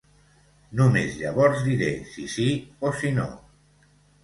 Només llavors diré si sí o si no.